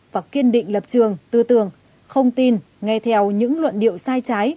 và kiên định lập trường tư tưởng không tin nghe theo những luận điệu sai trái